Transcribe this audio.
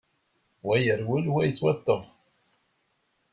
Wa yerwel, wa yettwaṭṭef.